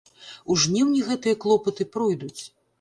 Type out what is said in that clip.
У жніўні гэтыя клопаты пройдуць.